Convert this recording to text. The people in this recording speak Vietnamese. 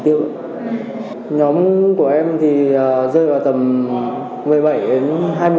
và giao thị trường